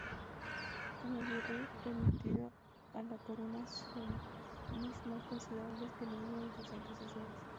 Como virrey, remitió a la Corona sumas más considerables que ninguno de sus antecesores.